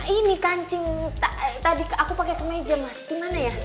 ini kancing tadi aku pakai kemeja mas gimana ya